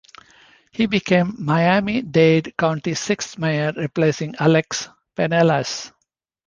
He became Miami-Dade County's sixth mayor, replacing Alex Penelas.